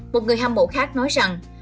một người hâm mộ khác nói rằng